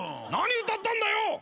何歌ったんだよ！